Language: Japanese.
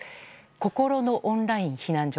こころのオンライン避難所。